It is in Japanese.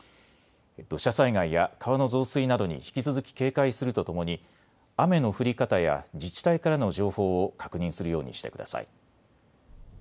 土砂災害や川の増水などに引き続き警戒するとともに雨の降り方や自治体からの情報を確認するようにしてください。